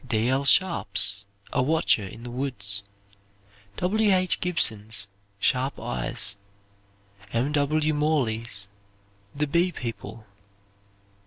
D. L. Sharp's "A Watcher in the Woods." W. H. Gibson's "Sharp Eyes." M. W. Morley's "The Bee people."